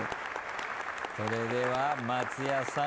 それでは松也さん